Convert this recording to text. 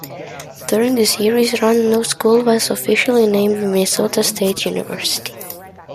During the series run no school was officially named Minnesota State University.